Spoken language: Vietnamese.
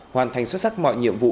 hoàn thành xuất sắc mọi nhiệm vụ